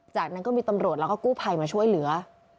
จากนั้นก็มีตำรวจแล้วก็กู้ภัยมาช่วยเหลือ